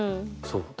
そう。